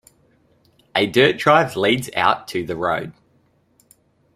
A dirt drive leads out to the road.